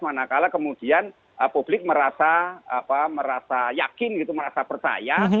manakala kemudian publik merasa yakin gitu merasa percaya